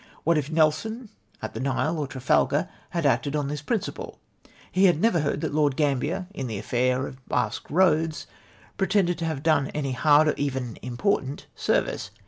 What if Nelson, at the Nile or Trafalgar, had acted on this prmciple? He had never heard that Lord Gambler, in the aflair of Basque Eoads, pretended to have done any hard, or even important service.